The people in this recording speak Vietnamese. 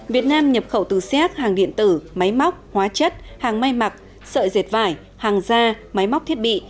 việt nam nhập khẩu từ xéc hàng điện tử máy móc hóa chất hàng may mặc sợi dệt vải hàng da máy móc thiết bị